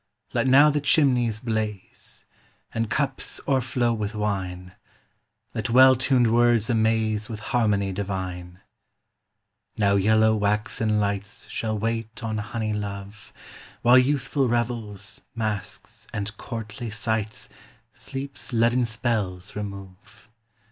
Let now the chimneys blaze, And cups o'erflow with wine; Let well tuned words amaze With harmony divine. Now yellow waxen lights Shall wait on honey love, While youthful revels, masques, and courtly sights Sleep's leaden spells remove.